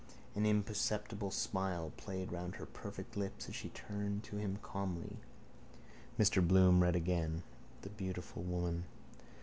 An imperceptible smile played round her perfect lips as she turned to him calmly. Mr Bloom read again: _The beautiful woman.